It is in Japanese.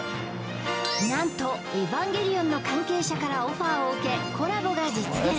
なんとエヴァンゲリオンの関係者からオファーを受けコラボが実現